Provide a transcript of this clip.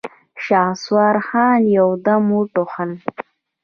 شهسوار خان يودم وټوخل.